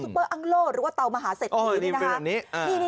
เตาซูเปอร์อังโลประหยัดพลังงานหรือว่าเตามหาเสธทีนี่นะคะ